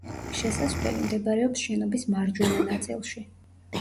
შესასვლელი მდებარეობს შენობის მარჯვენა ნაწილში.